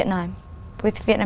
tôi có thể nhìn thấy